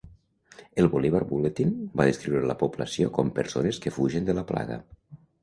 El "Bolivar Bulletin" va descriure la població com "persones que fugen de la plaga".